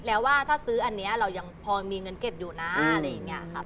แล้วยังพอมีเงินเก็บอยู่นะอะไรอย่างนี้